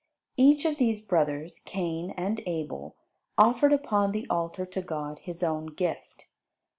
Each of these brothers, Cain and Abel, offered upon the altar to God his own gift.